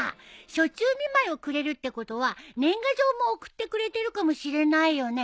暑中見舞いをくれるってことは年賀状も送ってくれてるかもしれないよね。